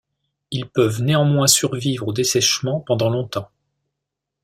Ils peuvent néanmoins survivre au dessèchement pendant longtemps.